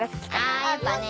あやっぱね。